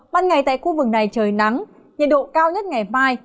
ban ngày tại khu vực này trời nắng nhiệt độ cao nhất ngày mai